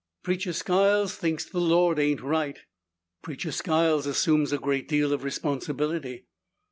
"Preacher Skiles thinks the Lord ain't right." "Preacher Skiles assumes a great deal of responsibility."